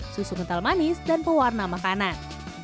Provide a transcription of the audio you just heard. susu kental manis dan pewarna makanan